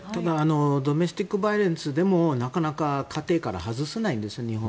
ドメスティックバイオレンスでもなかなか日本は家庭から外せないんです。